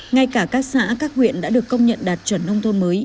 ngay cả các xã các huyện đã được công nhận đạt chuẩn nông thôn mới